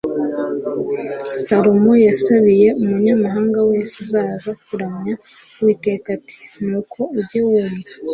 salomo yasabiye umunyamahanga wese uzaza kuramya uwiteka ati nuko ujye wumva